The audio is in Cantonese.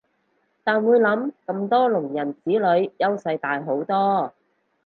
但會諗咁多聾人子女優勢大好多